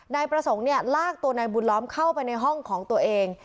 นายประสงค์เนี่ยลากตัวนายบุญล้อมเข้าไปในห้องของตัวเอง